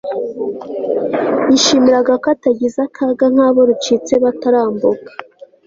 yishimiraga ko atagize akaga nk'abo rucitse batarambuka